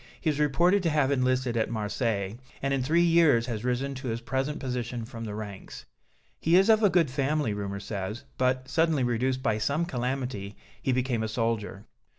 He is reported to have enlisted at Marseilles, and in three years has risen to his present position from the ranks. He is of a good family, rumor says, but, suddenly reduced by some calamity, he became a soldier."